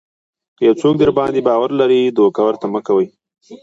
که یو څوک درباندې باور لري دوکه ورته مه کوئ.